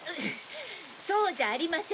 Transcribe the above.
そうじゃありません。